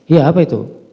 iya apa itu